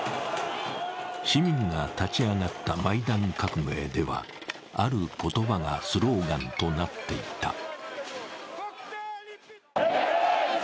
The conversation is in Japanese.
市民が立ち上がったマイダン革命では、ある言葉がスローガンとなっていた。